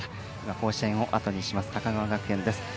甲子園をあとにします高川学園です。